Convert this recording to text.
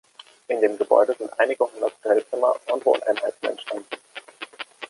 In dem Gebäude sind einige hundert Hotelzimmer und Wohneinheiten entstanden.